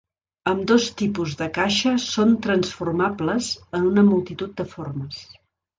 Ambdós tipus de caixa són transformables en una multitud de formes.